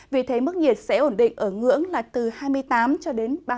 vì thế mức nhiệt sẽ ổn định ở ngưỡng là từ hai mươi tám hai mươi tám độ